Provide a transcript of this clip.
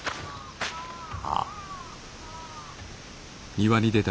あっ。